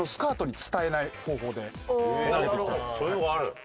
そういう方法ある？